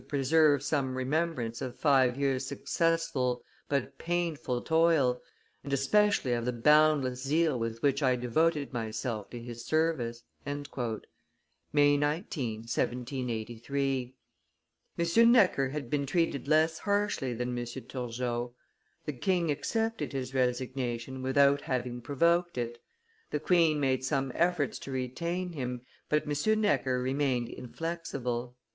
preserve some remembrance of five years' successful but painful toil, and especially of the boundless zeal with which I devoted myself to his service." [May 19, 1783.] M. Necker had been treated less harshly than M. Turgot. The king accepted his resignation without having provoked it. The queen made some efforts to retain him, but M. Necker remained inflexible.